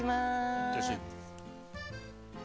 いってらっしゃい。